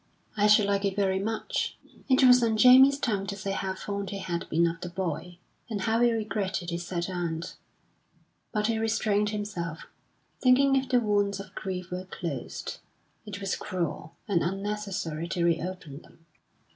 "I should like it very much." It was on Jamie's tongue to say how fond he had been of the boy, and how he regretted his sad end; but he restrained himself, thinking if the wounds of grief were closed, it was cruel and unnecessary to reopen them.